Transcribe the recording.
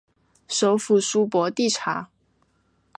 首府苏博蒂察。